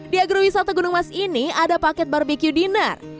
di agro wisata gunung mas ini ada paket bbq dinner